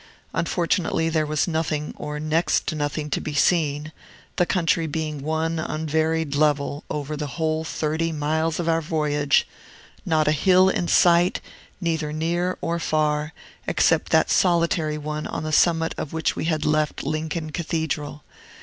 Unfortunately, there was nothing, or next to nothing, to be seen, the country being one unvaried level over the whole thirty miles of our voyage, not a hill in sight, either near or far, except that solitary one on the summit of which we had left Lincoln Cathedral.